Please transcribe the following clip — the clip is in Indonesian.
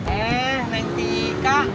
eh neng tika